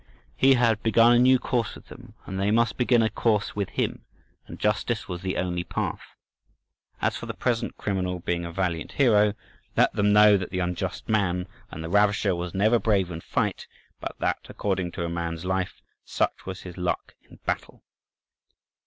He had begun a new course with them, and they must begin a new course with Him, and justice was the only path. As for the present criminal being a valiant hero, let them know that the unjust man and the ravisher was never brave in fight; but that, according to a man's life, such was his luck in battle.